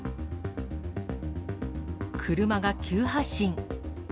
車が急発進。